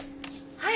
はい。